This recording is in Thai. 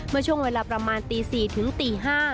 ด้วยช่วงเวลาประมาณตี๔๕